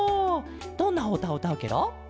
どんなおうたをうたうケロ？